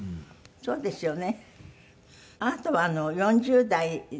そうですね。